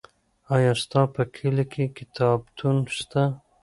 آیا ستا په کلي کې کتابتون سته؟